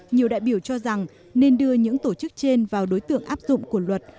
nhiều đại biểu cho rằng nên đưa những tổ chức trên vào đối tượng áp dụng của luật